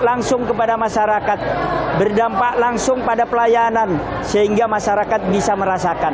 langsung kepada masyarakat berdampak langsung pada pelayanan sehingga masyarakat bisa merasakan